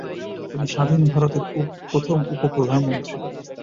তিনি স্বাধীন ভারতের প্রথম উপ প্রধানমন্ত্রী।